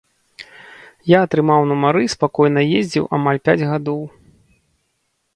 Я атрымаў нумары і спакойна ездзіў амаль пяць гадоў.